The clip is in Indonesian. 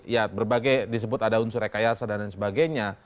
ya berbagai disebut ada unsur rekayasa dan lain sebagainya